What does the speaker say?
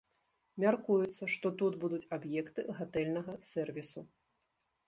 Мяркуецца, што тут будуць аб'екты гатэльнага сэрвісу.